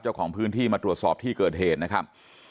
เจ้าของพื้นที่มาตรวจสอบที่เกิดเหตุนะครับ